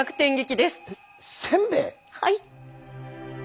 はい。